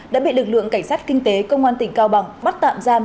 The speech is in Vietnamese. đã bị lực lượng cảnh sát kinh tế công an tỉnh cao bằng bắt tạm giam